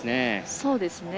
そうですね。